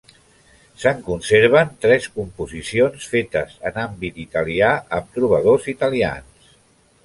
Se'n conserven tres composicions, fetes en àmbit italià, amb trobadors italians.